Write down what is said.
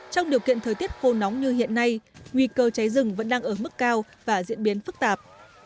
trong điều kiện thời tiết khô nóng như hiện nay nguy cơ cháy rừng vẫn đang ở mức cao và diễn biến phức tạp